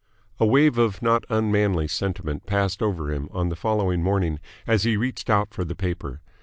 A wave of not unmanly sentiment passed over him on the following morning as he reached out for the paper.